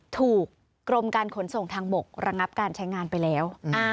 ถูกกรมการขนส่งทางบกระงับการใช้งานไปแล้ว